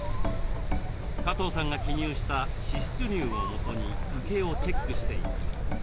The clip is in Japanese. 加藤さんが記入した支出入をもとに家計をチェックしていきます。